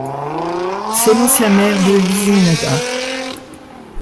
C'est l'ancien maire de Visinada.